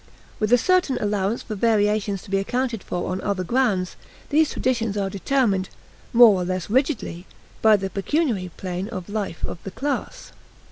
With a certain allowance for variations to be accounted for on other grounds, these traditions are determined, more or less rigidly, by the pecuniary plane of life of the class.